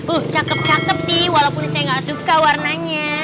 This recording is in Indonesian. uh cakep cakep sih walaupun saya gak suka warnanya